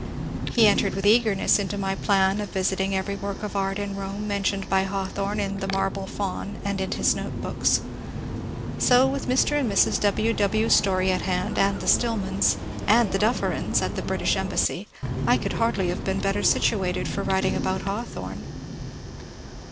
He entered with eagerness into my plan of visiting every work of art in Bome mentioned by Hawthorne in '^ The Marble Faun " and in his Note Books. So with Mr. and Mrs. W. W. Story at hand, and the Stillmans, and the DufFerins (at the British Embassy) I could hardly have been better situated for writing about Hawthorne.